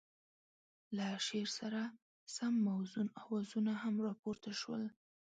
له شعر سره سم موزون اوازونه هم را پورته شول.